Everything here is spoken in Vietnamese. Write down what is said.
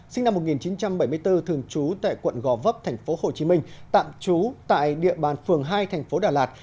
sinh năm một nghìn chín trăm bảy mươi bốn thường trú tại quận gò vấp tp hcm tạm trú tại địa bàn phường hai tp đà lạt